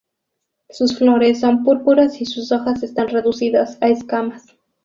Sus flores son púrpuras y sus hojas están reducidas a escamas.